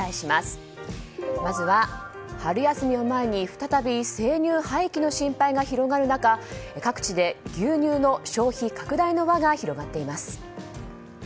まずは春休みを前に再び生乳廃棄の心配が広がる中各地で牛乳の消費拡大の輪が広がっています。